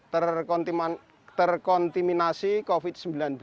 mereka terkontaminasi covid sembilan belas